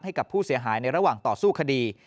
ให้กับผู้เสียหายในระหว่างต่อสู้คดี